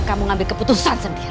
kamu ngambil keputusan sendiri